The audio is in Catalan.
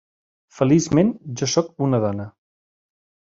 Feliçment, jo sóc una dona.